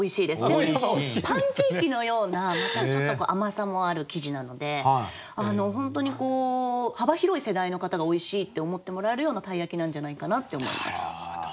でもパンケーキのようなまたちょっと甘さもある生地なので本当に幅広い世代の方がおいしいって思ってもらえるような鯛焼なんじゃないかなって思います。